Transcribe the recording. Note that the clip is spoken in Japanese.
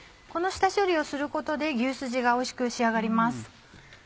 この下処理をすることで牛すじがおいしく仕上がります。